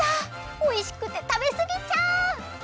おいしくてたべすぎちゃう！